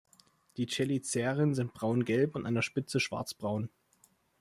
Die Cheliceren sind braungelb und an der Spitze schwarzbraun.